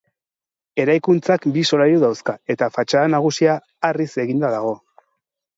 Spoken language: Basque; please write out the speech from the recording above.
Eraikuntzak bi solairu dauzka, eta fatxada nagusia harriz eginda dago.